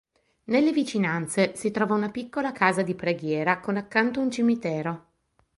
Nelle vicinanze si trova una piccola casa di preghiera con accanto un cimitero.